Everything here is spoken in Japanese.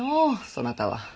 そなたは。